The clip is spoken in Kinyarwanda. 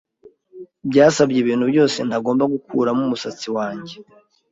Byasabye ibintu byose ntagomba gukuramo umusatsi wanjye